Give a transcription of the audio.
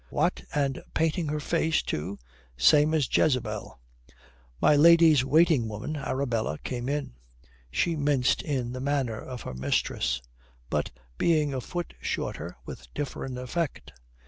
"What and painting her face, too? Same as Jezebel." My lady's waiting woman, Arabella, came in. She minced in the manner of her mistress, but, being a foot shorter, with different effect.